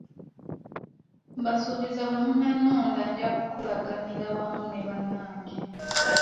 Mbasuubizza bwe munnonda, nja kukolaganira wamu ne bannange.